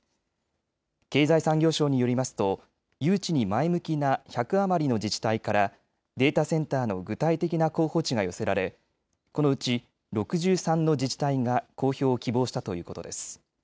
経済産業省によりますと誘致に前向きな１００余りの自治体からデータセンターの具体的な候補地が寄せられこのうち６３の自治体が公表を希望したということです。